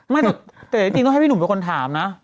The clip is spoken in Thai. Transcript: ไม่แต่จริงต้องให้พี่หนุ่มเป็นคนถามนะ